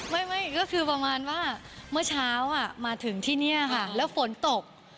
ไม่ไม่ก็คือประมาณว่าเมื่อเช้าอ่ะมาถึงที่นี่ค่ะแล้วฝนตก